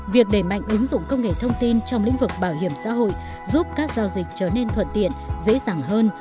việc đẩy mạnh ứng dụng công nghệ thông tin trong lĩnh vực bảo hiểm xã hội giúp các giao dịch trở nên thuận tiện dễ dàng hơn